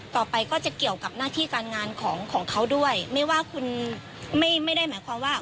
ต่อไปก็จะเกี่ยวกับหน้าที่การงานของของเขาด้วยไม่ว่าคุณไม่ไม่ได้หมายความว่า